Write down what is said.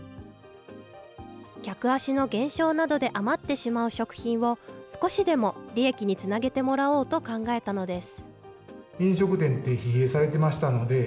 客足の減少などで余ってしまう食品を、少しでも利益につなげてもらおうと考えたのです。